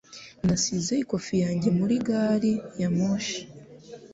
Nasize ikofi yanjye muri gari ya moshi.